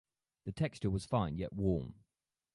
The texture was fine yet warm.